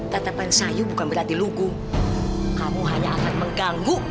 tetapan sayu bukan berarti lugu kamu hanya akan mengganggu